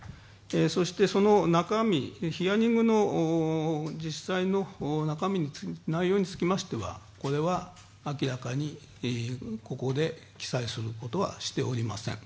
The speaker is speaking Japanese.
そして、その中身、ヒアリングの実際の内容につきましてはこれは明らかにここで記載することはしておりません。